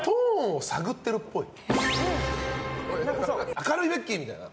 明るいベッキーみたいな。